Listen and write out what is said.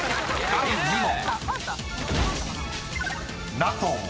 ［第２問］